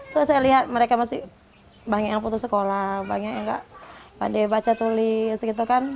terus saya lihat mereka masih banyak yang putus sekolah banyak yang gak pandai baca tulis gitu kan